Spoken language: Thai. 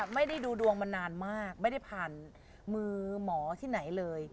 ไม่ได้ดูดวงมานานมากไม่ได้ผ่านมือหมอที่ไหนเลย